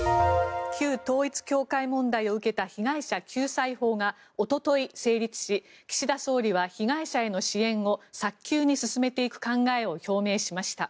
旧統一教会問題を受けた被害者救済法がおととい成立し岸田総理は被害者への支援を早急に進めていく考えを表明しました。